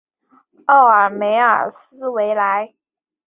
奥尔梅尔斯维莱。